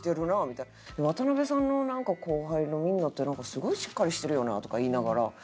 「ワタナベさんの後輩のみんなってなんかすごいしっかりしてるよな」とか言いながら。